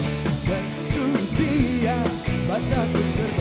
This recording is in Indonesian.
bagai putri mirip buka diri